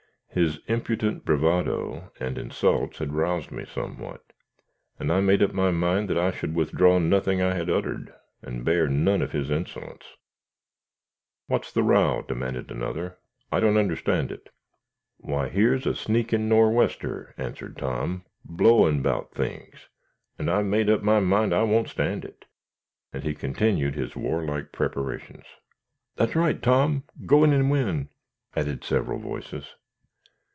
His impudent bravado and insults had roused me somewhat, and I made up my mind that I should withdraw nothing I had uttered, and bear none of his insolence. "What's the row?" demanded another; "I don't understand it." "Why, here's a sneakin' Nor'wester," answered Tom, "blowin' 'bout things, and I've made up my mind I won't stand it;" and he continued his war like preparations. "That's right, Tom, go in and win," added several voices.